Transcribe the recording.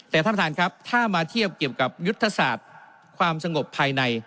แต่ท่านประธานครับถ้ามาเทียบเกี่ยวกับยุทธศาสตร์ความสงบภายใน